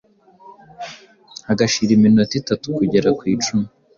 hagashira iminota itatu kugera ku icumi ,